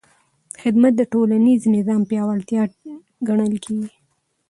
خدمت د ټولنیز نظم پیاوړتیا ګڼل کېږي.